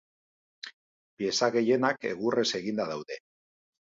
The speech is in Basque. Pieza gehienak egurrez eginda daude.